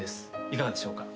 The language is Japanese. いかがでしょうか。